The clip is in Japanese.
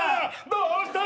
どうした？